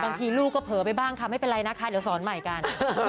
บางทีลูกก็เผลอไปบ้างค่ะไม่เป็นไรนะคะเดี๋ยวสอนใหม่กัน